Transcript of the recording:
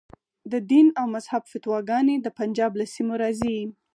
د دین او مذهب فتواګانې د پنجاب له سیمو راځي.